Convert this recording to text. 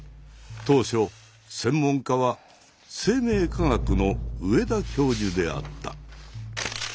当初専門家は生命科学の上田教授であった。